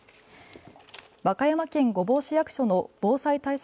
和歌山県御坊市役所の防災対策